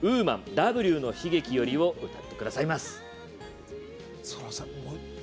“Ｗの悲劇”より」を歌ってくださいます